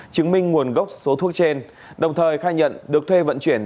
chứng minh nguồn gốc số thuốc trên đồng thời khai nhận được thuê vận chuyển